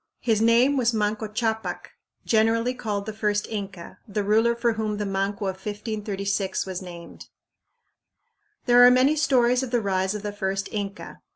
His name was Manco Ccapac, generally called the first Inca, the ruler for whom the Manco of 1536 was named. There are many stories of the rise of the first Inca.